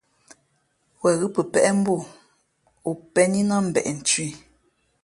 Wen ghʉ̌ pəpéʼ mbú o, o pēn í nά mbeʼ nthʉ̄ ī.